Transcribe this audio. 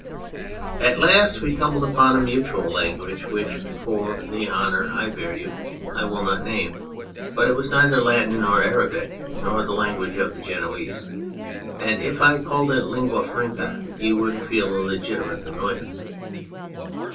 At last we tumbled upon a mutual language, which, for the honour I bear you, 244 The Hunter 1 will not name ; but it was neither Latin nor Arabic, nor the language of the Genoese ; and if I called it lingua franca you would feel a legitimate annoy ance.